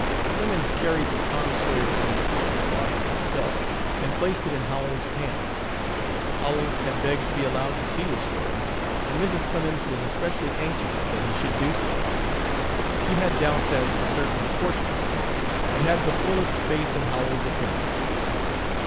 Clemens carried the Tom Sawyer MS. to Boston himself and placed it in Howells's hands. Howells had begged to be allowed to see the story, and Mrs. Clemens was especially anxious that he should do so. She had doubts as to certain portions of it, and had the fullest faith in Howells's opinion.